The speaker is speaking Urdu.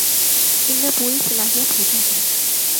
ان میں پوری صلاحیت ہوتی ہے